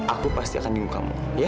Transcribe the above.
aku pasti akan jenguk kamu ya